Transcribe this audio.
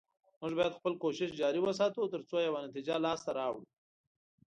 موږ باید خپل کوشش جاري وساتو، تر څو یوه نتیجه لاسته راوړو